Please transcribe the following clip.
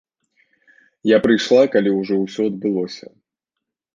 Я прыйшла, калі ўжо ўсё адбылося.